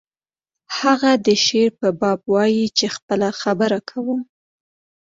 هغه د شعر په باب وایی چې خپله خبره کوم